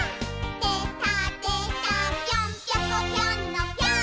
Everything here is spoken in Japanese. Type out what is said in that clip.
「でたでたぴょんぴょこぴょんのぴょーん」